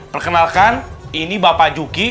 perkenalkan ini bapak juki